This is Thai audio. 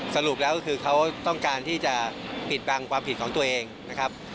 สรุปแล้วก็คือเขาต้องการที่จะปิดบังความผิดของตัวเองนะครับ